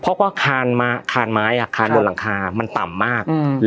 เพราะว่าคานมาคานไม้อ่ะคานบนหลังคามันต่ำมากอืม